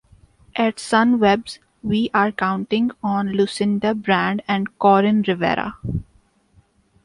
At Sunweb’s, we are counting on Lucinda Brand and Coryn Rivera.